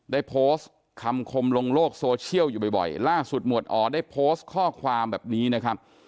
ได้โพสต์คำคมลงโลกโซเชียลอยู่บ่อยล่าสุดหมวดอ๋อได้โพสต์ข้อความแบบนี้นะครับ